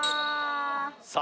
さあ